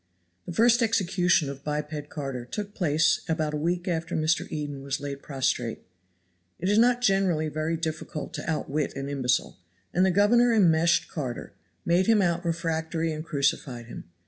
The first execution of biped Carter took place about a week after Mr. Eden was laid prostrate. It is not generally very difficult to outwit an imbecile, and the governor enmeshed Carter, made him out refractory and crucified him.